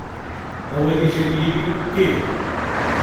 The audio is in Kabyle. Awal-ik ad yili: Ih.